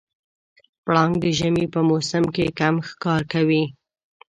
پړانګ د ژمي په موسم کې کم ښکار کوي.